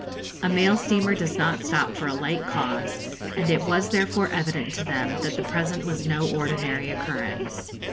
A mail steamer does not stop for a light cause, and it was therefore evident to them that the present was no ordinary occurrence.